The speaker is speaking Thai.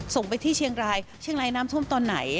ส่งไปที่เชียงรายเชียงรายน้ำท่วมตอนไหน